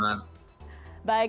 baik terima kasih